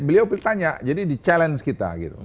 beliau bertanya jadi di challenge kita gitu